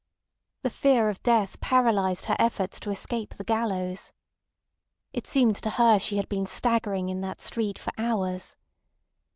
The fear of death paralysed her efforts to escape the gallows. It seemed to her she had been staggering in that street for hours.